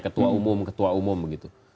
ketua umum ketua umum begitu